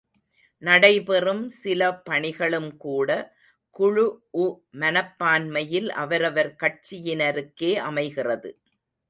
நடைபெறும் சில பணிகளும் கூட குழுஉ மனப்பான்மையில் அவரவர் கட்சியினருக்கே அமைகிறது.